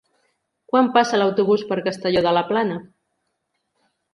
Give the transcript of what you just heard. Quan passa l'autobús per Castelló de la Plana?